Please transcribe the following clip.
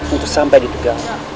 untuk sampai di tegang